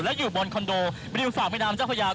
และอยู่บนคอนโดริมฝั่งแม่น้ำเจ้าพระยา